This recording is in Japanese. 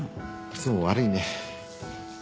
いつも悪いね。